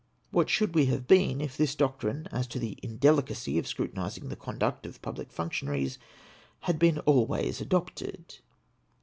What should we have been if this doctrine as to the indelicacy of scrutinising the conduct of public functionaries had been always adopted